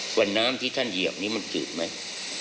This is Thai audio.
ว่าน้ำที่ท่านเหยียบนี้มันจืดไหม